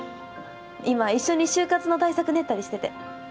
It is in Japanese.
今一緒に就活の対策練ったりしてて。